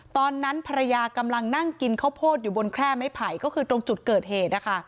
ตอนนั้นภรรยากำลังนั่งกินข้าวโพดอยู่บนแคร่ไม้ไผ่ก็คือตรงจุดเกิดเหตุนะคะ